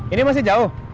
ini masih jauh